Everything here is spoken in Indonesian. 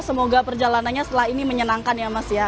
semoga perjalanannya setelah ini menyenangkan ya mas ya